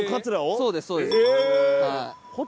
そうですそうです。